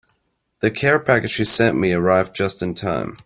The care package you sent me arrived just in time.